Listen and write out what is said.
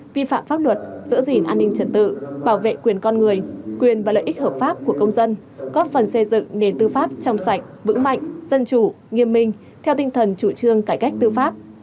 vi phạm pháp luật giữ gìn an ninh trật tự bảo vệ quyền con người quyền và lợi ích hợp pháp của công dân góp phần xây dựng nền tư pháp trong sạch vững mạnh dân chủ nghiêm minh theo tinh thần chủ trương cải cách tư pháp